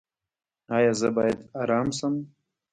ایا زه باید ارام شم؟